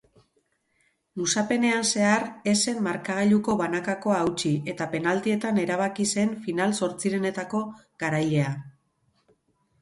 Luzapenean zehar ez zen markagailuko banakakoa hautsi eta penaltietan erabaki zen final-zortzirenetako garailea.